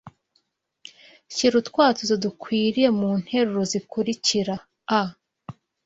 Shyira utwatuzo dukwiye mu nteruro zikurikira a